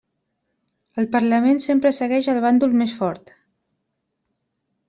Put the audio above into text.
El parlament sempre segueix el bàndol més fort.